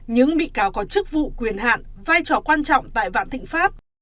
những bị cáo có chức vụ quyền hạn vai trò quan trọng tại vạn thịnh pháp